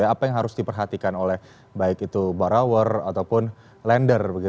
apa yang harus diperhatikan oleh baik itu borrower ataupun lender